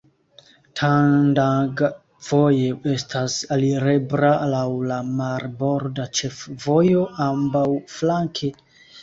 Tandag voje estas alirebla laŭ la marborda ĉefvojo ambaŭflanke.